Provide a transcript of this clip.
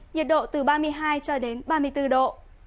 nhiệt độ từ ba mươi hai ba mươi bốn độ